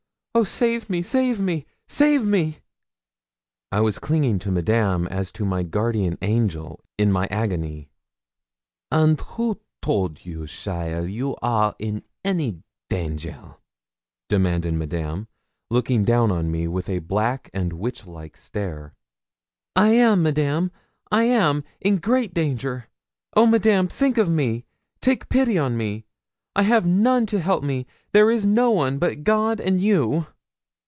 Oh save me! save me! save me!' I was clinging to Madame as to my guardian angel in my agony. 'And who told you, cheaile, you are in any danger?' demanded Madame, looking down on me with a black and witchlike stare. 'I am, Madame I am in great danger! Oh, Madame, think of me take pity on me! I have none to help me there is no one but God and you!'